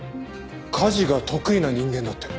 家事が得意な人間だって。